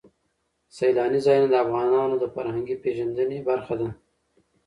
سیلاني ځایونه د افغانانو د فرهنګي پیژندنې برخه ده.